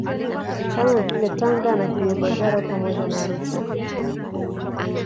Kama vile Tanga na Kilimanjaro pamoja na Arusha